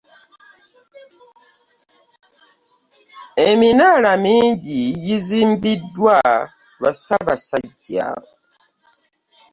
Eminaala mingi gizimbiddwa lwa ssabasajja.